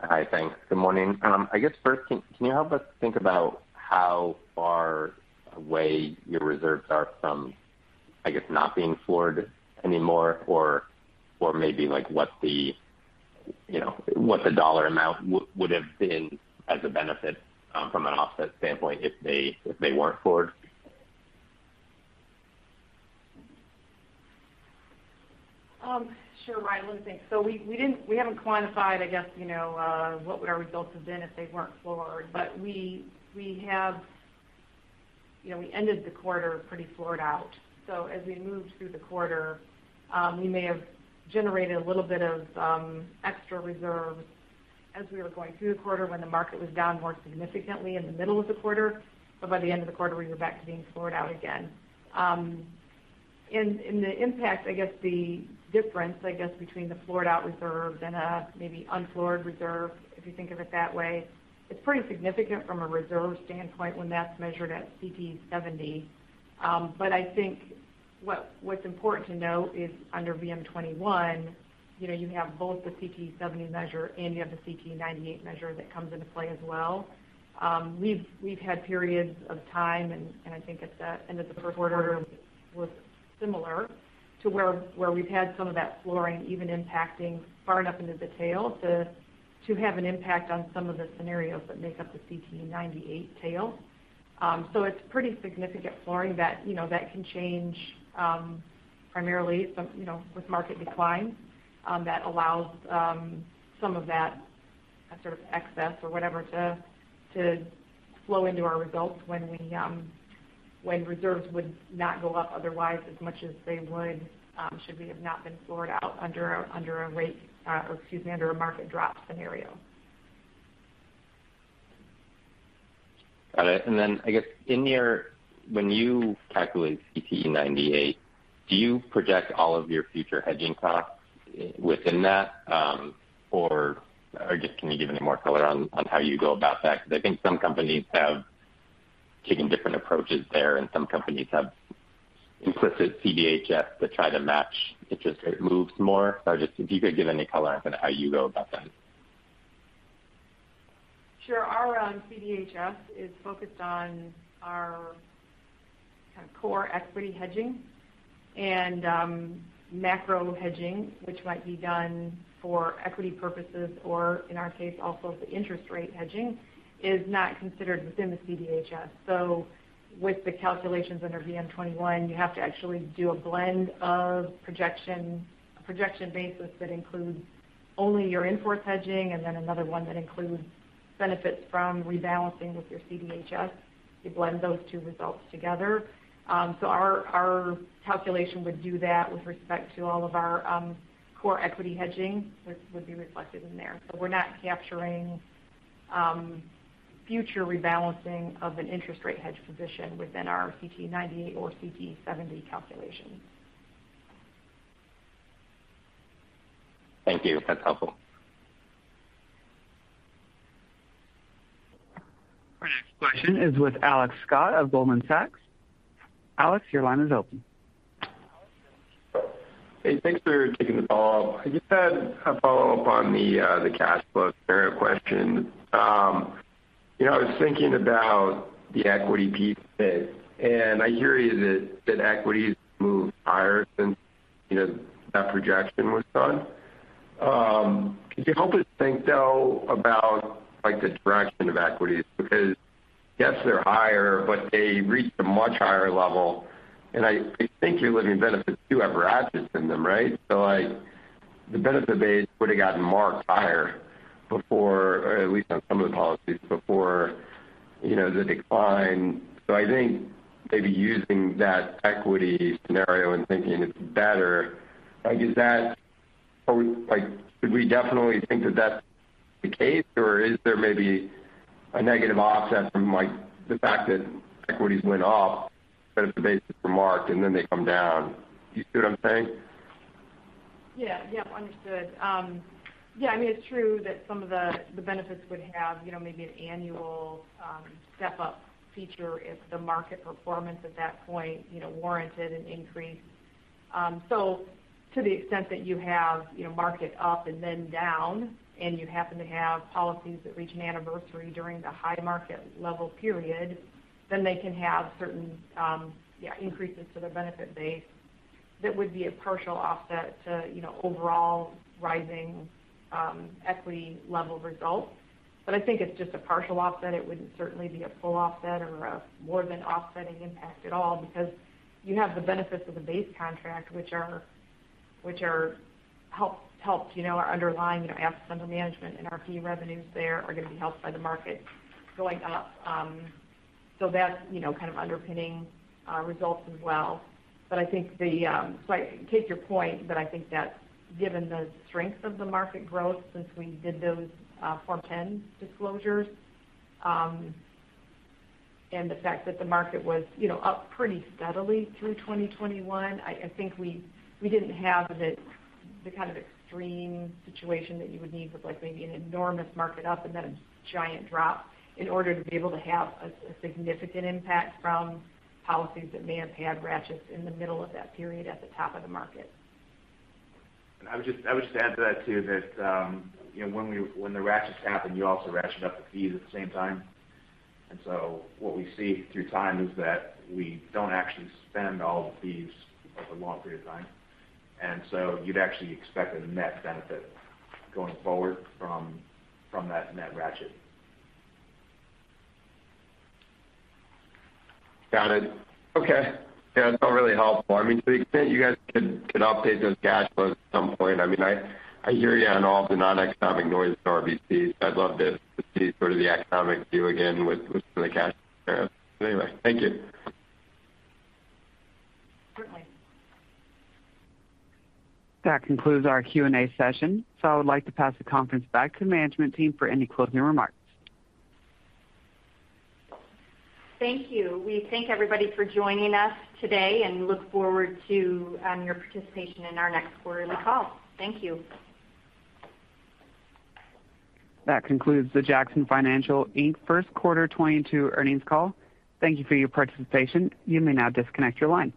Hi. Thanks. Good morning. I guess first can you help us think about how far away your reserves are from, I guess, not being floored anymore or maybe like what the, you know, dollar amount would have been as a benefit from an offset standpoint if they weren't floored? Sure, Ryan. Let me think. So we haven't quantified, I guess, you know, what would our results have been if they weren't floored. We have. You know, we ended the quarter pretty floored out. As we moved through the quarter, we may have generated a little bit of extra reserves as we were going through the quarter when the market was down more significantly in the middle of the quarter. By the end of the quarter, we were back to being floored out again. The impact, I guess the difference, I guess, between the floored out reserve and a maybe unfloored reserve, if you think of it that way, it's pretty significant from a reserve standpoint when that's measured at CTE 70. I think what's important to note is under VM-21, you know, you have both the CTE 70 measure and you have the CTE 98 measure that comes into play as well. We've had periods of time, and I think at the end of the first quarter was similar to where we've had some of that flooring even impacting far enough into the tail to have an impact on some of the scenarios that make up the CTE 98 tail. It's pretty significant flooring that, you know, that can change primarily some, you know, with market decline, that allows some of that sort of excess or whatever to flow into our results when reserves would not go up otherwise as much as they would should we have not been floored out under a market drop scenario. Got it. I guess in your when you calculate CTE 98, do you project all of your future hedging costs within that? Or just can you give any more color on how you go about that? Because I think some companies have taken different approaches there, and some companies have implicit CDHS to try to match interest rate moves more. I just if you could give any more color on how you go about that? Sure. Our CDHS is focused on our kind of core equity hedging. Macro hedging, which might be done for equity purposes or in our case also the interest rate hedging, is not considered within the CDHS. With the calculations under VM-21, you have to actually do a projection basis that includes only your in-force hedging and then another one that includes benefits from rebalancing with your CDHS. You blend those two results together. Our calculation would do that with respect to all of our core equity hedging, which would be reflected in there. We're not capturing future rebalancing of an interest rate hedge position within our CTE 98 or CTE 70 calculations. Thank you. That's helpful. Our next question is with Alex Scott of Goldman Sachs. Alex, your line is open. Hey, thanks for taking the call. I just had a follow-up on the cash flow scenario question. You know, I was thinking about the equity piece, and I hear you that equities moved higher since you know that projection was done. Could you help us think, though, about like the direction of equities? Because yes, they're higher, but they reached a much higher level, and I think your living benefits do have ratchets in them, right? So like the benefit base would have gotten marked higher before, or at least on some of the policies, before you know the decline. So I think maybe using that equity scenario and thinking it's better like is that? Are we like did we definitely think that that's the case? Is there maybe a negative offset from, like, the fact that equities went up, but as the benchmark, and then they come down? Do you see what I'm saying? Yeah. Yep, understood. Yeah, I mean, it's true that some of the benefits would have, you know, maybe an annual step-up feature if the market performance at that point, you know, warranted an increase. So to the extent that you have, you know, market up and then down, and you happen to have policies that reach an anniversary during the high market level period, then they can have certain yeah, increases to their benefit base that would be a partial offset to, you know, overall rising equity level results. I think it's just a partial offset. It wouldn't certainly be a full offset or a more than offsetting impact at all because you have the benefits of the base contract, which are helped, you know, our underlying, you know, asset under management and our fee revenues there are going to be helped by the market going up. That's, you know, kind of underpinning results as well. I take your point, but I think that given the strength of the market growth since we did those Form 10 disclosures, and the fact that the market was, you know, up pretty steadily through 2021, I think we didn't have the kind of extreme situation that you would need with, like, maybe an enormous market up and then a giant drop in order to be able to have a significant impact from policies that may have had ratchets in the middle of that period at the top of the market. I would just add to that, too, that, you know, when the ratchets happen, you also ratcheted up the fees at the same time. What we see through time is that we don't actually spend all the fees over a long period of time. You'd actually expect a net benefit going forward from that net ratchet. Got it. Okay. Yeah, that's all really helpful. I mean, to the extent you guys could update those cash flows at some point, I mean, I hear you on all the non-economic noise in RBC. I'd love to see sort of the economic view again with the cash flows. Anyway, thank you. Certainly. That concludes our Q&A session, so I would like to pass the conference back to the management team for any closing remarks. Thank you. We thank everybody for joining us today and look forward to your participation in our next quarterly call. Thank you. That concludes the Jackson Financial Inc. first quarter 2022 earnings call. Thank you for your participation. You may now disconnect your line.